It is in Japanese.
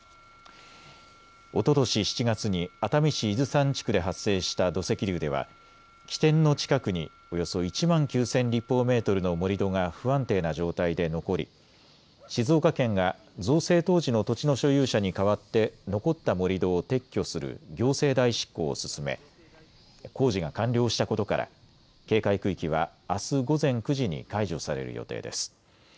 おととし７月に熱海市伊豆山地区で発生した土石流では起点の近くにおよそ１万９０００立方メートルの盛り土が不安定な状態で残り静岡県が造成当時の土地の所有者に代わって残った盛り土を撤去する行政代執行を進め工事が完了したことから警戒区域はあす午前９時に解除される予定です。